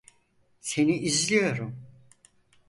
Seni izliyorum.